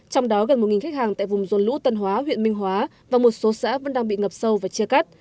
trong đó gần một khách hàng tại vùng dồn lũ tân hóa huyện minh hóa và một số xã vẫn đang bị ngập sâu và chia cắt